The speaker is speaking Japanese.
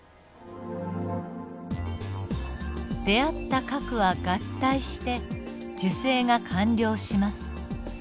出会った核は合体して受精が完了します。